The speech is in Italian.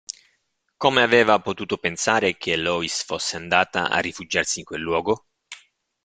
Come aveva potuto pensare che Lois fosse andata a rifugiarsi in quel luogo?